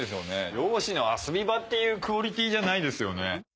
漁師の遊び場っていうクオリティーじゃないですよね。